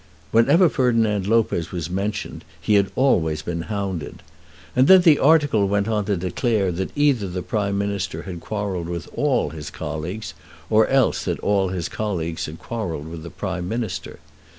Whenever Ferdinand Lopez was mentioned he had always been hounded. And then the article went on to declare that either the Prime Minister had quarrelled with all his colleagues, or else that all his colleagues had quarrelled with the Prime Minister.